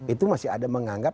itu masih ada menganggap